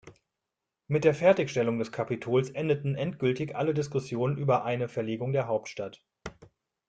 Mit der Fertigstellung des Kapitols endeten endgültig alle Diskussionen über eine Verlegung der Hauptstadt.